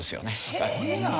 すごいな！